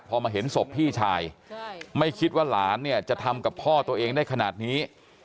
พอมาเห็นศพพี่ชายไม่คิดว่าหลานเนี่ยจะทำกับพ่อตัวเองได้ขนาดนี้